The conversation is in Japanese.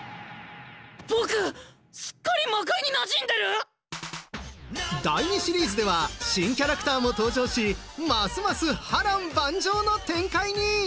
僕すっかり魔界になじんでる⁉第２シリーズでは新キャラクターも登場しますます波乱万丈の展開に！